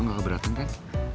lo gak keberatan kan